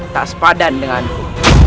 tak sepadan denganku